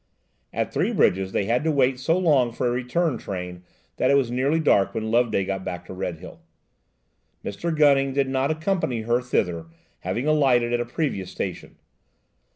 At Three Bridges they had to wait so long for a return train that it was nearly dark when Loveday got back to Redhill. Mr. Gunning did not accompany her thither, having alighted at a previous station.